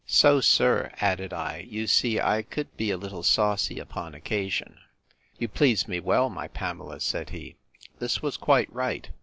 So, sir, added I, you see I could be a little saucy upon occasion. You please me well, my Pamela, said he. This was quite right.